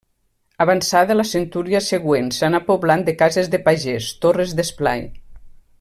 Avançada la centúria següent s'anà poblant de cases de pagès, torres d'esplai.